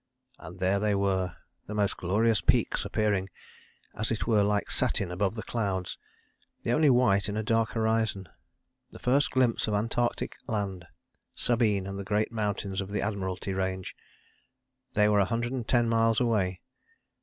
And there they were: the most glorious peaks appearing, as it were like satin, above the clouds, the only white in a dark horizon. The first glimpse of Antarctic land, Sabine and the great mountains of the Admiralty Range. They were 110 miles away.